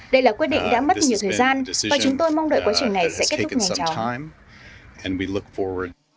đây là quyết định đã mất nhiều thời gian và chúng tôi mong đợi quá trình này sẽ kết thúc nhanh chóng